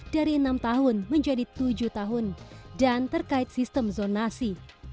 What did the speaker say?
dari enam tahun menjadi tujuh tahun dan terkait sistem zonasi